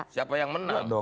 siapa yang menang